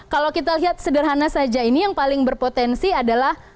kalau kita lihat sederhana saja ini yang paling berpotensi adalah